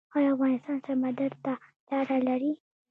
آیا افغانستان سمندر ته لاره لري؟